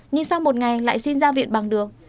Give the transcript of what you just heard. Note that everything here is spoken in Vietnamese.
nhưng sau một ngày lại xin ra viện bằng đường